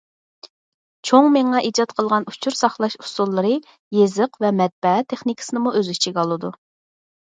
چوڭ مېڭە ئىجاد قىلغان ئۇچۇر ساقلاش ئۇسۇللىرى يېزىق ۋە مەتبەئە تېخنىكىسىنىمۇ ئۆز ئىچىگە ئالىدۇ.